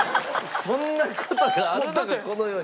そんな事があるのかこの世に。